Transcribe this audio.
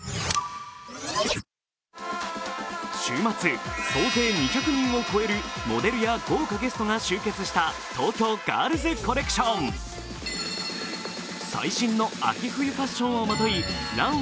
週末、総勢２００人を超えるモデルや豪華ゲストが集結した東京ガールズコレクション。